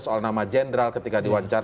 soal nama jenderal ketika diwawancara